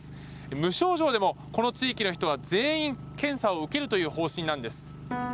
無症状でもこの地域の人は全員検査を受けるという方針なんです。